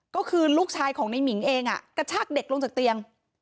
ก็คือลูกชายของในหมิงเองกระชากเด็กลงจากเตียง